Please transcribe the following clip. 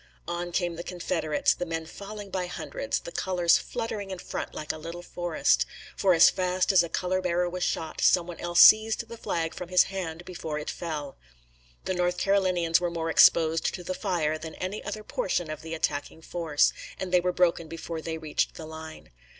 On came the Confederates, the men falling by hundreds, the colors fluttering in front like a little forest; for as fast as a color bearer was shot some one else seized the flag from his hand before it fell. The North Carolinians were more exposed to the fire than any other portion of the attacking force, and they were broken before they reached the line.